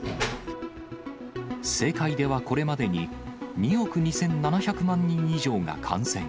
世界ではこれまでに、２億２７００万人以上が感染。